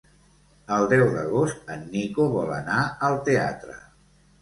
El deu d'agost en Nico vol anar al teatre.